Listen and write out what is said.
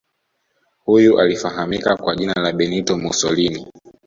Huyu alifahamika kwa jina la Benito Musolini